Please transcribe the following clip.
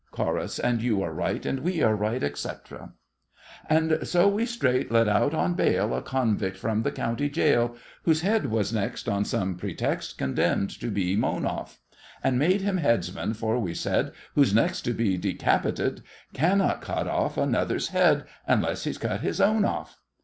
CHORUS. And you are right, And we are right, etc. And so we straight let out on bail A convict from the county jail, Whose head was next On some pretext Condemned to be mown off, And made him Headsman, for we said, "Who's next to be decapited Cannot cut off another's head Until he's cut his own off."